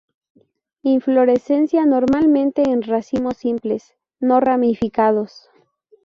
Inflorescencia normalmente en racimos simples, no ramificados.